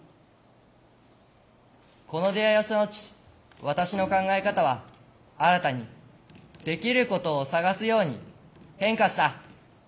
この出会いをした後私の考え方は新たにできることを探すように変化した。